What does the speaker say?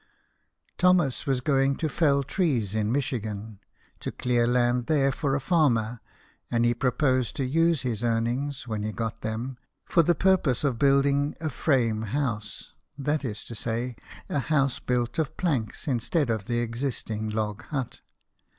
Thomas was going to fell trees in Michigan, to clear land there for a farmer ; and he proposed to use his earnings (when he got them) for the purpose of building a " frame house " (that is to say, a house built of planks) instead of the existing log hut.